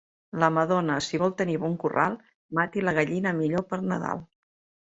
La madona, si vol tenir bon corral, mati la gallina millor per Nadal.